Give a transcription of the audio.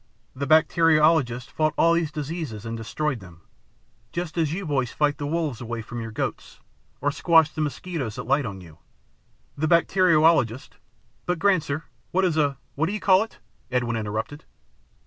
The bacteriologists fought all these sicknesses and destroyed them, just as you boys fight the wolves away from your goats, or squash the mosquitoes that light on you. The bacteriologists " "But, Granser, what is a what you call it?" Edwin interrupted.